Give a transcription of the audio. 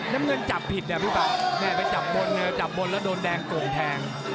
น้ำเงินจับผิดเนี่ยพี่ป่าแม่ไปจับบนจับบนแล้วโดนแดงโก่งแทง